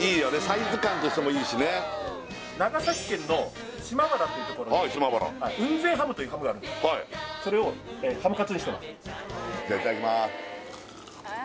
サイズ感としてもいいしね長崎県の島原って所に雲仙ハムというハムがあるんですそれをハムカツにしてますじゃあいただきます